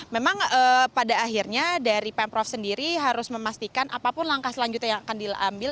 memang pada akhirnya dari pemprov sendiri harus memastikan apapun langkah selanjutnya yang akan diambil